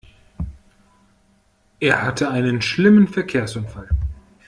Er hatte einen schlimmen Verkehrsunfall.